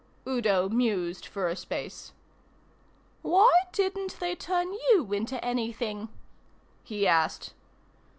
Udo mused for a space. "Why didn't they turn you into anything?" he asked.